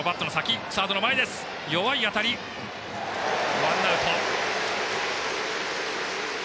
ワンアウト。